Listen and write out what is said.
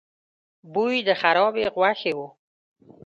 بوی د خرابې غوښې و.